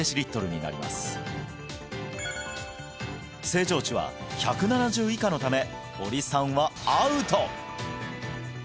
正常値は１７０以下のため堀さんはアウト！